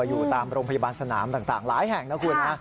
อยู่ตามโรงพยาบาลสนามต่างหลายแห่งนะคุณนะ